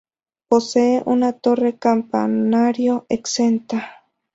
Posee una torre campanario exenta.